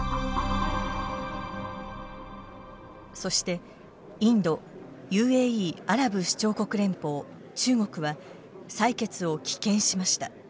そしてインドＵＡＥ＝アラブ首長国連邦中国は採決を棄権しました。